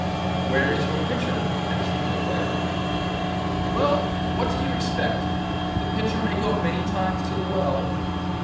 'Where is your pitcher?' asked the bricklayer. 'Well, what do you expect? The pitcher may go many times to the well....